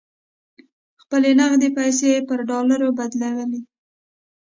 خپلې نغدې پیسې یې پر ډالرو بدلولې.